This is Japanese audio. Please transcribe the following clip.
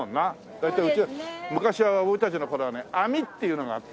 大体うちは昔は俺たちの頃はねあみっていうのがあった。